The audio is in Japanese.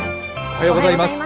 おはようございます。